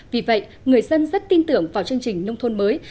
vì vậy người dân rất tin tưởng vào chương trình nông thôn mới